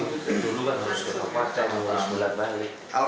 dulu kan harus ke tempat lalu harus bulat balik